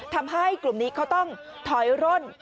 ทำให้กลุ่มนี้เขาต้องถอยร่น